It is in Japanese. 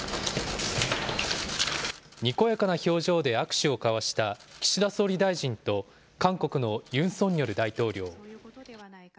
にこやかな表情で握手を交わした岸田総理大臣と韓国のユン・ソンニョル大統領。